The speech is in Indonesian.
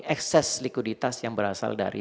ekses likuiditas yang berasal dari